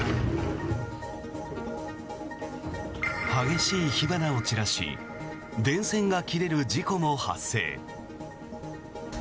激しい火花を散らし電線が切れる事故も発生。